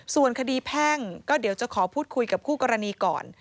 ส่วนคดีแพ่งก็เดี๋ยวจะขอพูดคุยกับคู่กรณีก่อน